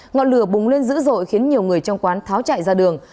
ngọn lửa bùng lên dữ dội khiến nhiều người trong quán tháo chạy ra đường